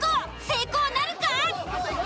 成功なるか！？